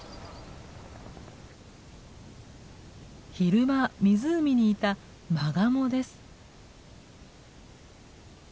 昼間湖にいたマガモです。